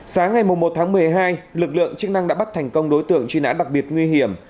sáng ngày một tháng một mươi hai lực lượng chức năng đã bắt thành công đối tượng truy nã đặc biệt nguy hiểm